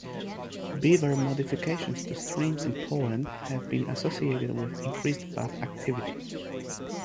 Beaver modifications to streams in Poland have been associated with increased bat activity.